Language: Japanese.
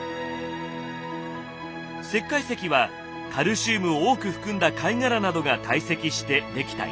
石灰石はカルシウムを多く含んだ貝殻などが堆積して出来た石。